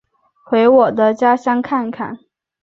回我的家乡看看